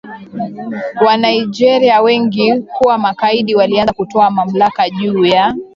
Wanigeria wengi kuwa magaidi walianza kutwaa mamlaka juu ya